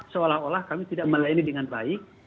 seolah olah kami tidak melayani dengan baik